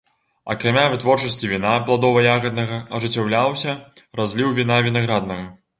Акрамя вытворчасці віна пладова-ягаднага ажыццяўляўся разліў віна вінаграднага.